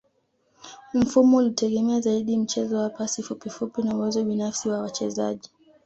Mfumo ulitegemea zaidi mchezo wa pasi fupi fupi na uwezo binafsi wa wachezaji